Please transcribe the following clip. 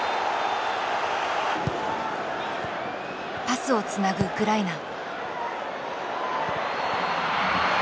パスをつなぐウクライナ。